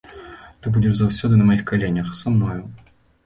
Ты будзеш заўсёды на маіх каленях, са мною.